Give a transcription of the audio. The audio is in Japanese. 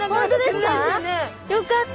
よかった。